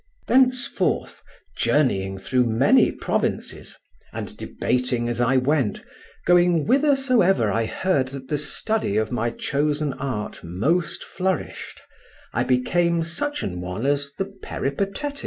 Thenceforth, journeying through many provinces, and debating as I went, going whithersoever I heard that the study of my chosen art most flourished, I became such an one as the Peripatetics.